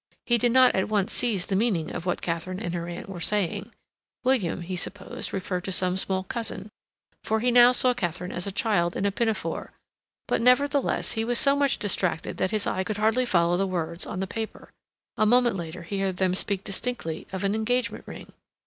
He did not at once seize the meaning of what Katharine and her aunt were saying; William, he supposed, referred to some small cousin, for he now saw Katharine as a child in a pinafore; but, nevertheless, he was so much distracted that his eye could hardly follow the words on the paper. A moment later he heard them speak distinctly of an engagement ring.